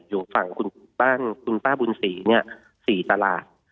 อยู่ฝั่งคุณป้าบุญศรีเนี่ย๔ตลาด